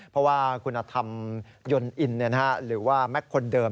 เพราะว่าคุณธรรมยนต์อินหรือว่าแม็กซ์คนเดิม